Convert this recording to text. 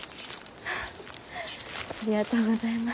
フッありがとうございます。